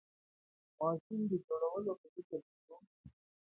ماشین د جوړولو په فکر کې شو.